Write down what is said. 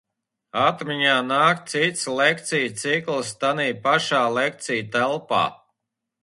Atmiņā nāk cits lekciju cikls tanī pašā lekciju telpā.